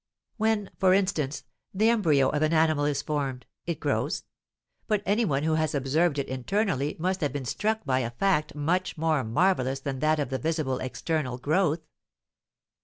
When, for instance, the embryo of an animal is formed, it grows; but any one who has observed it internally must have been struck by a fact much more marvelous than that of the visible external "growth."